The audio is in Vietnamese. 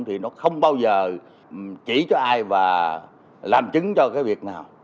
thì nó không bao giờ chỉ cho ai và làm chứng cho cái việc nào